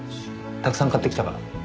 たくさん買ってきたから。